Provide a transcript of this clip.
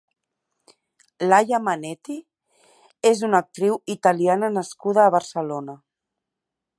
Laia Manetti és una actriu italiana nascuda a Barcelona.